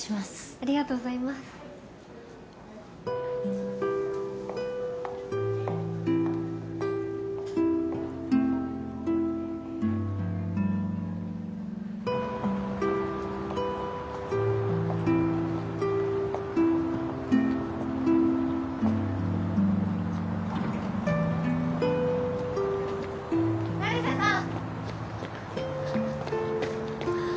ありがとうございます成瀬さん